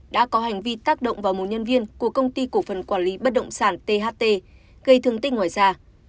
đã có hành vi tác động vào một nhân viên của công ty cổ phần quản lý bất động sản tht gây thương tích ngoài ra